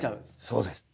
そうです。